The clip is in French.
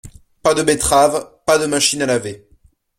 Pas de betterave, pas de machine à laver.